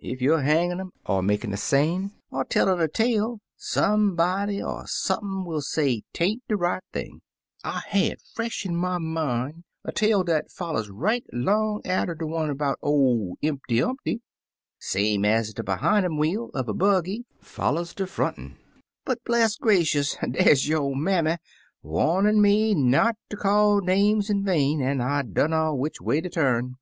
Ef youer hangin' um, er makin' a seine, er tellin' a tale, somebody er sump'n will say 'tain't de right thing. I had fresh in my min' a tale dat foUers right 'long atter de one 'bout ol' Impty Umpty, same ez de bc hime wheel uv a buggy foUers de front un — but, bless gracious! dar's yo' mammy wamin' me not ter call names in vain, an' I dunner which way ter turn.